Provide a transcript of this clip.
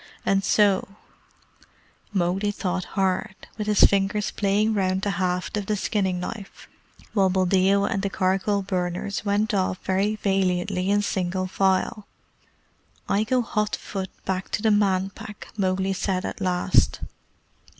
And so " Mowgli thought hard, with his fingers playing round the haft of the skinning knife, while Buldeo and the charcoal burners went off very valiantly in single file. "I go hot foot back to the Man Pack," Mowgli said at last.